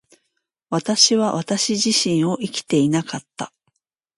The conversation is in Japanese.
私は私自身を生きていなかった。